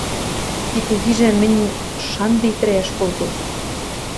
– Ти кугижӓм мӹнь шанды итӹрӓйӓш колтем...